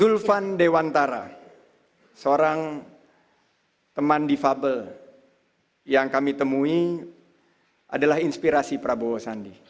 zulfan dewantara seorang teman difabel yang kami temui adalah inspirasi prabowo sandi